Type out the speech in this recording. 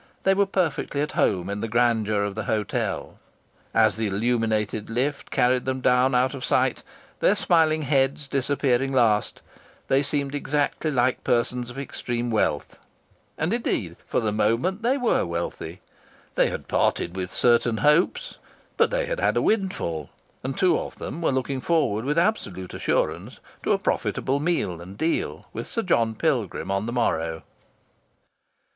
They were perfectly at home in the grandeur of the hotel. As the illuminated lift carried them down out of sight, their smiling heads disappearing last, they seemed exactly like persons of extreme wealth. And indeed for the moment they were wealthy. They had parted with certain hopes, but they had had a windfall; and two of them were looking forward with absolute assurance to a profitable meal and deal with Sir John Pilgrim on the morrow.